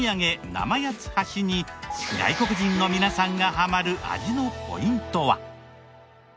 生八ッ橋に外国人の皆さんがハマる味のポイントは？